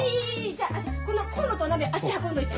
じゃあこのコンロと鍋あっちへ運んどいて。